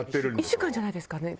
１週間じゃないですかね？